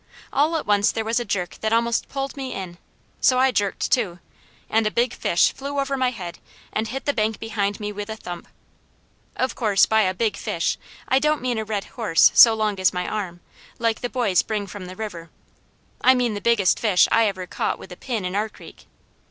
All at once there was a jerk that almost pulled me in, so I jerked too, and a big fish flew over my head and hit the bank behind me with a thump. Of course by a big fish I don't mean a red horse so long as my arm, like the boys bring from the river; I mean the biggest fish I ever caught with a pin in our creek.